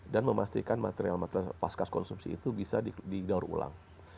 dan memastikan material material pas kas konsumsi itu bisa digaur ulang